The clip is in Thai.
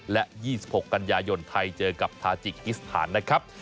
และ๒๖กันยายนไทยเจอกับทาจิกกิสถานนะครับ